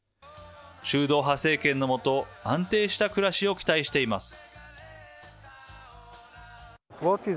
中道派政権の下安定した暮らしを期待しています。